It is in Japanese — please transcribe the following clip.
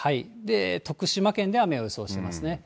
徳島県で雨を予想してますね。